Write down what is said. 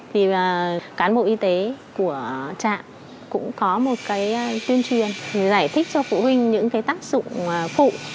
thì cán bộ y tế của trạm cũng có một cái tuyên truyền giải thích cho phụ huynh những cái tác dụng phụ